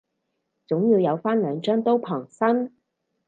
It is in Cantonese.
總要有返兩張刀傍身